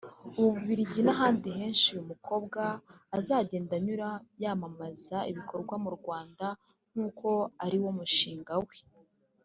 U Bubiligi n'ahandi henshi uyu mukobwa azagenda anyura yamamaza ibikorerwa mu Rwanda nkuko ariwo mushinga we